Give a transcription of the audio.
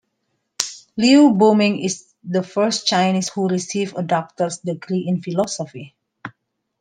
Liu Boming is the first Chinese who received a doctor's degree in philosophy.